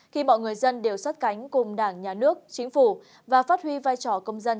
khi mọi người dân đều sát cánh cùng đảng nhà nước chính phủ và phát huy vai trò công dân